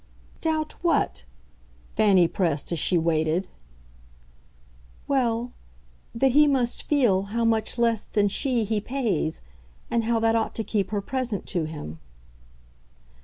"Doubt what?" Fanny pressed as she waited. "Well, that he must feel how much less than she he pays and how that ought to keep her present to him."